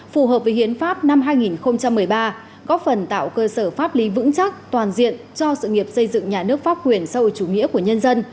phù hợp với hiến pháp năm hai nghìn một mươi ba góp phần tạo cơ sở pháp lý vững chắc toàn diện cho sự nghiệp xây dựng nhà nước pháp quyền sau chủ nghĩa của nhân dân